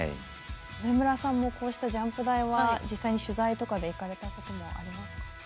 上村さんもこうしたジャンプ台は実際に取材とかで行かれたこともありますか？